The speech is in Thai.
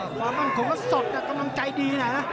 ความมั่นคงก็สดกำลังใจดีนะ